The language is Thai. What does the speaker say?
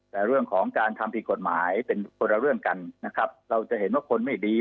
แต่เรื่องของการทำผิดกฎหมายเป็นคนละเรื่องกันนะครับเราจะเห็นว่าคนไม่ดี